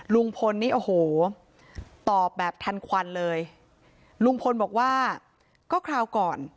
ลุงพลนี่โอ้โหตอบแบบทันควันเลยลุงพลบอกว่าก็คราวก่อน